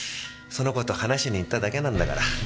その事話しに行っただけなんだから。